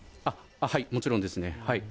もちろんですね。